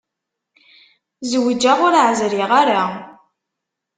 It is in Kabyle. Zewǧeɣ ur ɛezriɣ ara.